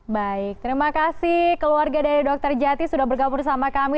baik terima kasih keluarga dari dokter jati sudah bergabung sama kami